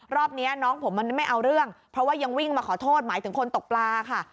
รอบนี้น้องผมมันไม่เอาเรื่องเพราะว่ายังวิ่งมาขอโทษหมายถึงคนตกปลาค่ะ